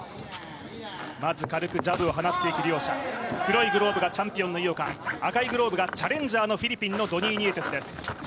軽くジャブをはなっていく両者黒いグローブがチャンピオンの井岡赤いグローブがチャレンジャーのフィリピンのドニー・ニエテスです。